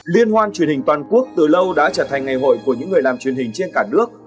liên hoan truyền hình toàn quốc từ lâu đã trở thành ngày hội của những người làm truyền hình trên cả nước